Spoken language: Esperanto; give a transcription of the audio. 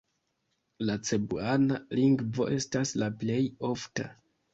La cebuana lingvo estas la plej ofta.